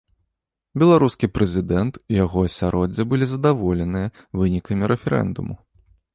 Беларускі прэзідэнт і яго асяроддзе былі задаволеныя вынікамі рэферэндуму.